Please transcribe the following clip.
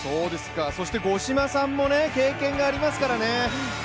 そして五島さんも経験がありますからね。